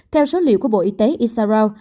theo số liệu của bộ y tế israel